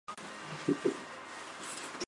鲑鱼鲑鱼卵